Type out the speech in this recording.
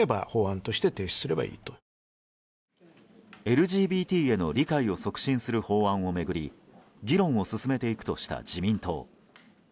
ＬＧＢＴへの理解を促進する法案を巡り議論を進めていくとした自民党。